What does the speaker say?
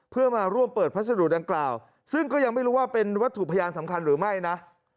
เพื่อมาร่วมเปิดพัสดุดังกล่าวซึ่งก็ยังไม่รู้ว่าเป็นวัตถุพยานสำคัญหรือไม่นะ